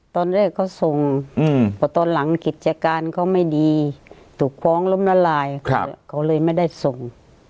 ตอนแรกเขาส่งเพราะตอนหลังกิจการเขาไม่ดีถูกฟ้องล้มละลายเขาเลยไม่ได้ส่ง